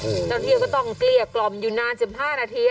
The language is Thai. เจ้าหน้าที่ก็ต้องเกลี้ยกล่อมอยู่นาน๑๕นาที